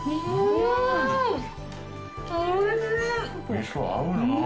味噌と合うよな。